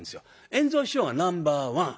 圓蔵師匠がナンバーワン。